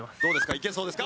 いけそうですか？